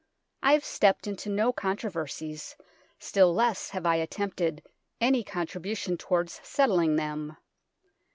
I have stepped into no controversies, still less have I attempted any contribution towards settling them.